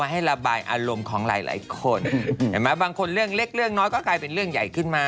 เห็นไหมบางคนเรื่องเล็กเรื่องน้อยก็กลายเป็นเรื่องใหญ่ขึ้นมา